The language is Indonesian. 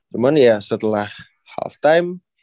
cuman ya setelah halftime